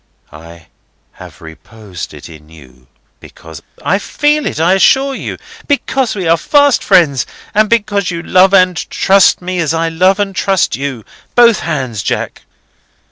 "I have reposed it in you, because—" "I feel it, I assure you. Because we are fast friends, and because you love and trust me, as I love and trust you. Both hands, Jack."